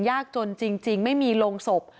ยากจนจริงไม่มีโรงศพ